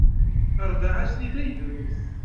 Ṛbeɛ ajdid ay drus.